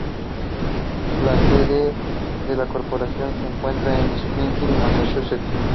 La sede de la corporación se encuentra en Springfield, Massachusetts.